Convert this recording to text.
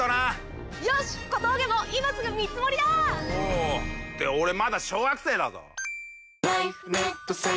って俺まだ小学生だぞ！